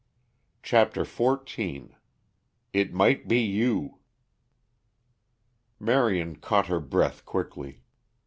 CHAPTER XIV "IT MIGHT BE YOU" Marion caught her breath quickly.